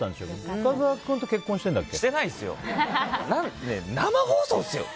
深澤君って結婚してるんだっけ？